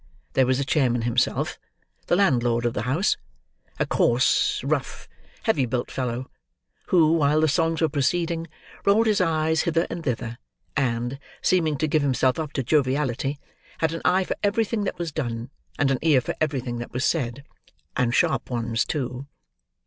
There was the chairman himself, (the landlord of the house,) a coarse, rough, heavy built fellow, who, while the songs were proceeding, rolled his eyes hither and thither, and, seeming to give himself up to joviality, had an eye for everything that was done, and an ear for everything that was said—and sharp ones, too.